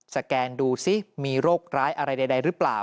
แกนดูซิมีโรคร้ายอะไรใดหรือเปล่า